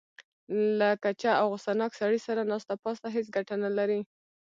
له کچه او غوسه ناک سړي سره ناسته پاسته هېڅ ګټه نه لري.